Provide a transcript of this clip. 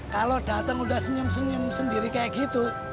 kalo dateng udah senyum senyum sendiri kayak gitu